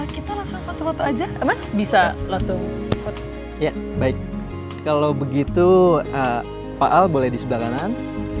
kita langsung foto foto aja mas bisa langsung foto ya baik kalau begitu pak al boleh di sebelah kanan